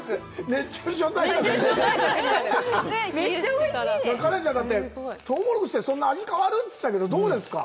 熱中症対策なる花恋ちゃんだってとうもろこしってそんな味変わる？って言ってたけどどうですか？